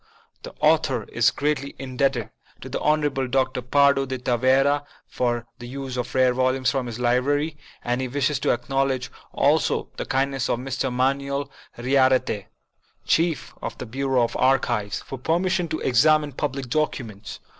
The author is greatly indebted to the Honorable Dr. Pardo de Tavera for the use of rare volumes from his library, and he wishes to acknowledge also the kindness of Mr. Manuel Yriarte, Chief of the Bureau of Archives, for permission to exam ine public documents.